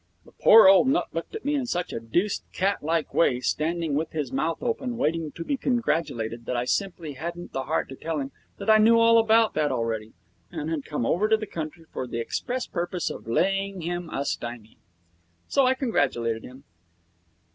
The poor old nut looked at me in such a deuced cat like way, standing with his mouth open, waiting to be congratulated, that I simply hadn't the heart to tell him that I knew all about that already, and had come over to the country for the express purpose of laying him a stymie. So I congratulated him.